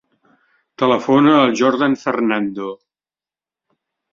Telefona al Jordan Fernando.